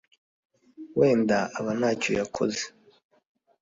wenda aba nta cyo yakoze,